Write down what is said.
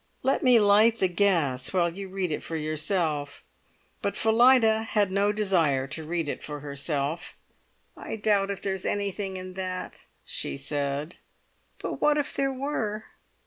Let me light the gas while you read it for yourself." But Phillida had no desire to read it for herself. "I doubt if there's anything in that," she said; "but what if there were?